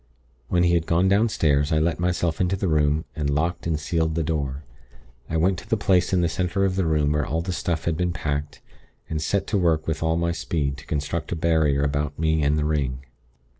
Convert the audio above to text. When he had gone downstairs, I let myself into the room, and locked and sealed the door. I went to the place in the center of the room where all the stuff had been packed, and set to work with all my speed to construct a barrier about me and the ring.